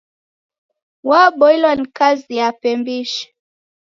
Waboilo ni kazi yape mbishi.